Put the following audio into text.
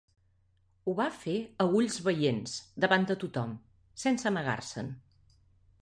Ho va fer a ulls veients, davant de tothom, sense amagar-se'n.